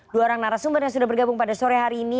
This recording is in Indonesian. dua orang narasumber yang sudah bergabung pada sore hari ini